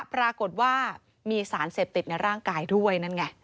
ปรากฏมีสารเสพติดในร่างกายด้วย